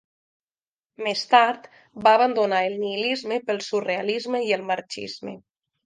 Més tard, va abandonar el nihilisme pel surrealisme i el marxisme.